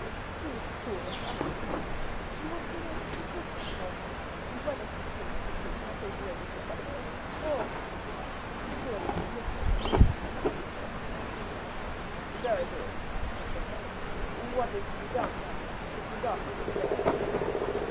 "She is poor and unassuming, you will create a position for her, and whether she tames the king as his lady confessor, or his sweetheart, you will have enlisted a new and valuable ally." "Very good," said Fouquet. "What is to be done, then, with regard to this girl?"